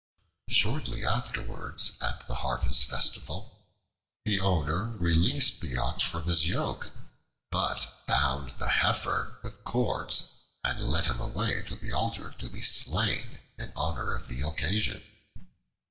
Shortly afterwards, at the harvest festival, the owner released the Ox from his yoke, but bound the Heifer with cords and led him away to the altar to be slain in honor of the occasion.